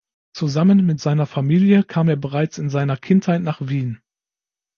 Zusammen mit seiner Familie kam er bereits in seiner Kindheit nach Wien.